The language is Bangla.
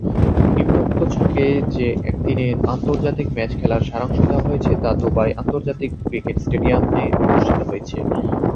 নিম্নোক্ত ছকে যে একদিনের আন্তর্জাতিক ম্যাচ খেলার সারাংশ দেওয়া হয়েছে তা দুবাই আন্তর্জাতিক ক্রিকেট স্টেডিয়ামে অনুষ্ঠিত হয়েছে